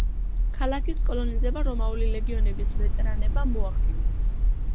ქალაქის კოლონიზება რომაული ლეგიონების ვეტერანებმა მოახდინეს.